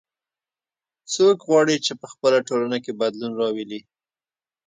څوک غواړي چې په خپله ټولنه کې بدلون راولي